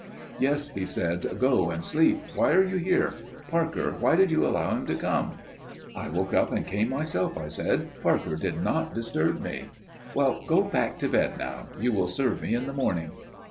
"Yes," he said; "go and sleep; why are you here? Parker, why did you allow him to come?" "I woke up and came myself," I said. "Parker did not disturb me." "Well, go back to bed now. You will serve me in the morning?"